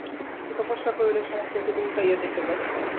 কি তপস্যা করিলে এ সমস্ত অতীত উল্টাইয়া যাইতে পারে।